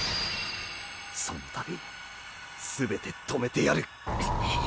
その度全て止めてやる。